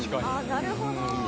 なるほど。